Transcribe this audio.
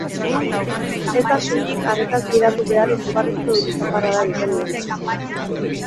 Ez da soilik arretaz gidatu behar izugarrizko euri-zaparrada egiten duenean.